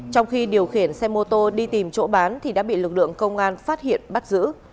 trong khi điều khiển xe mô tô đi tìm chỗ bán thì đã bị lực lượng công an phát hiện bắt giữ